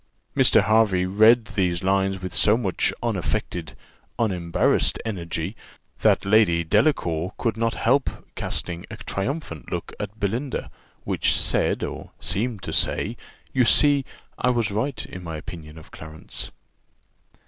Mr. Hervey read these lines with so much unaffected, unembarrassed energy, that Lady Delacour could not help casting a triumphant look at Belinda, which said or seemed to say you see I was right in my opinion of Clarence!